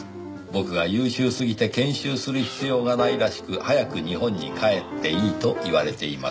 「僕が優秀すぎて研修する必要がないらしく早く日本に帰っていいと言われています」